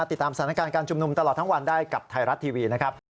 ติดตามสถานการณ์การชุมนุมตลอดทั้งวันได้กับไทยรัฐทีวีนะครับ